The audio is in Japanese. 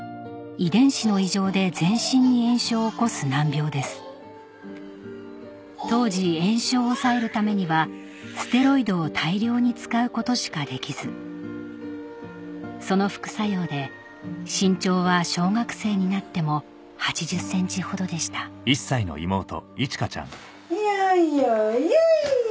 遺伝子の異常で全身に炎症を起こす難病です当時炎症を抑えるためにはステロイドを大量に使うことしかできずその副作用で身長は小学生になっても８０ｃｍほどでした・よいよいよい！